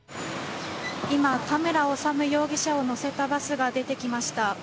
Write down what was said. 今、田村修容疑者を乗せたバスが出てきました。